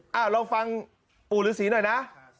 เอาลองฟังปู่ฤษีหน่อยนะ